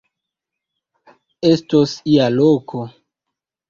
Estos ia loko.